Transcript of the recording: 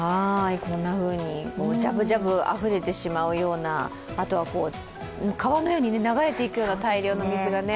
こんなふうにジャブジャブあふれてしまうような、川のように流れていくような大量の水がね。